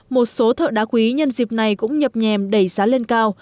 một số thợ đá quý nhân dịp này cũng nhập nhèm đẩy giá lên cao